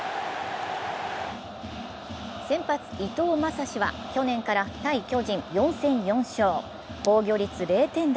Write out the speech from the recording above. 先発・伊藤将司は去年から対巨人４戦４勝、防御率０点台。